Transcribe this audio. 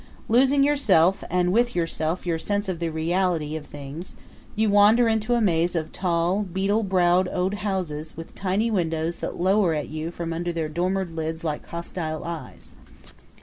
Losing yourself and with yourself your sense of the reality of things you wander into a maze of tall, beetle browed old houses with tiny windows that lower at you from under their dormered lids like hostile eyes.